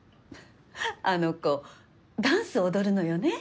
あの子ダンス踊るのよね？